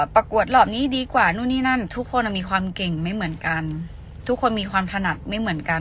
ประกวดรอบนี้ดีกว่านู่นนี่นั่นทุกคนมีความเก่งไม่เหมือนกันทุกคนมีความถนัดไม่เหมือนกัน